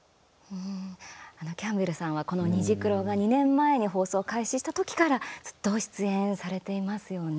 キャンベルさんはこの「虹クロ」が２年前に放送開始した時からずっと出演されていますよね。